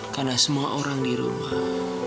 karena semua orang di rumah